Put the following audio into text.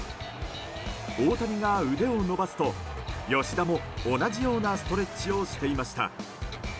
大谷が腕を伸ばすと吉田も同じようなストレッチをしていました。